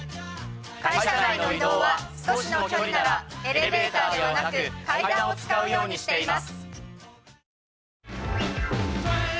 会社内の移動は少しの距離ならエレベーターではなく階段を使うようにしています。